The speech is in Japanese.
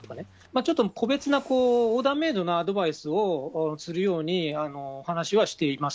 ちょっと個別な、オーダーメードなアドバイスをするように、お話はしています。